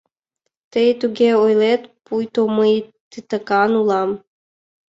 — Тый туге ойлет, пуйто мый титакан улам.